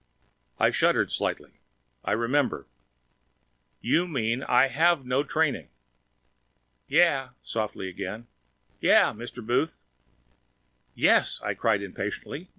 I shuddered slightly, I remember. "You mean, 'I have no training.'" "Yeah ..." softly again. "Yeah, Mr. Booth." "Yes!" I cried impatiently.